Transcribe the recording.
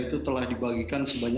yang menyebutkan bahwa